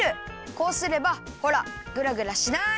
こうすればほらグラグラしない！